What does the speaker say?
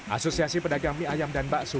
asosiasi pedagang mie ayam dan bakso